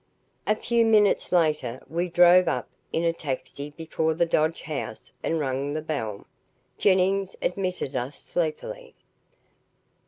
A few minutes later we drove up in a taxi before the Dodge house and rang the bell. Jennings admitted us sleepily.